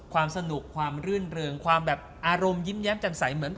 ความสนุกความรื่นเริงความแบบอารมณ์ยิ้มแย้มจำใสเหมือน